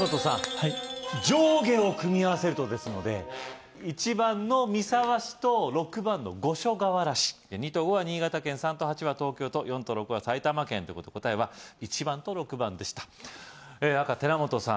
はい「上下を組み合わせると」ですので１番の三沢市と６番の五所川原市２と５は新潟県３と８は東京都４と６は埼玉県ということで答えは１番と６番でした赤・寺本さん